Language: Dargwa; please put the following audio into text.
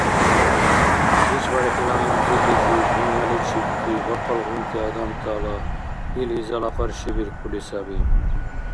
ИшбархӀила манзиллизиб дунъяличибти бахъалгъунти адамтала ил изала къаршибиркули саби.